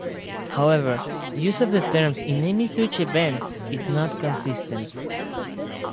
However, use of the terms in naming such events is not consistent.